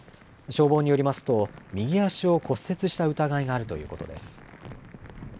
消防によりますと、右足を骨折した疑いがあるということです。